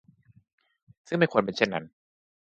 ซึ่งไม่ควรเป็นเช่นนั้น